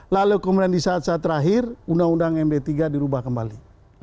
lalu kemudian di saat saat terakhir undang undang md tiga dirubah kembali